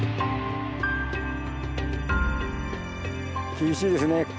厳しいですね。